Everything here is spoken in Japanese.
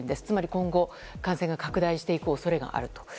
つまり今後、感染が拡大していく恐れがあると。